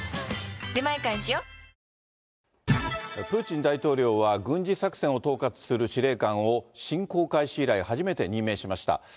プーチン大統領は、軍事作戦を統括する司令官を侵攻開始以来初めて任命しました。